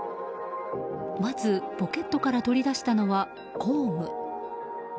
まずポケットから取り出したのは工具。